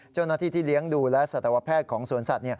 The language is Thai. เจ้าหน้าที่ที่เลี้ยงดูและสัตวแพทย์ของสวนสัตว